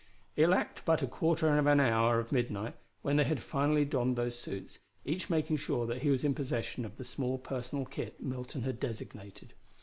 It lacked but a quarter hour of midnight when they had finally donned those suits, each making sure that he was in possession of the small personal kit Milton had designated.